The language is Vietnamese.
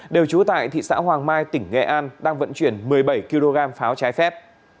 đều trú tại thị xã hoàng mai tỉnh nghệ an đang vận chuyển một mươi bảy kg pháo trái phép